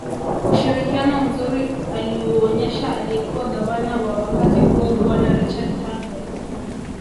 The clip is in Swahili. Ushirikiano mzuri aliouonyesha aliyekuwa gavana wa wakati huo bwana Richard Turnbull